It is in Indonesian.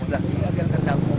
setelah nge rem saya nge rem